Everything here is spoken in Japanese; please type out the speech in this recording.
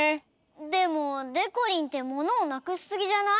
でもでこりんってものをなくしすぎじゃない？